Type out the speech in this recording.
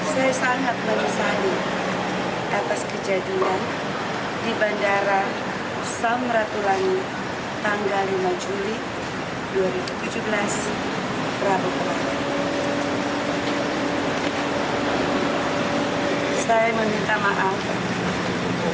saya sangat menyesali atas kejadian di bandara sam ratu langi manado